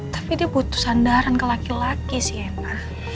tapi dia butuh sandaran ke laki laki sih emang